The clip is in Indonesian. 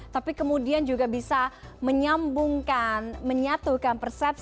tapi kemudian juga bisa menyambungkan menyatukan persepsi